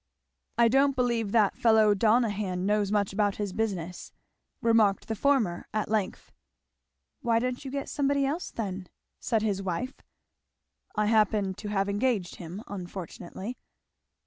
"I don't believe that fellow Donohan knows much about his business," remarked the former at length. "Why don't you get somebody else, then?" said his wife. "I happen to have engaged him, unfortunately."